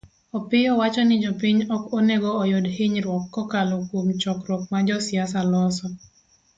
Opiyio wacho ni jopiny ok onego oyud hinyruok kokalo kuom chokruok ma josiasa loso.